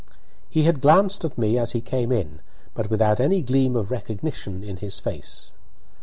He had glanced at me as he came in, but without any gleam of recognition in his face.